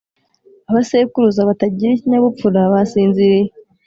abasekuruza batagira ikinyabupfura basinziriye.